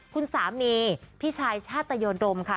คุณสามีพี่ชายชาตยดมค่ะ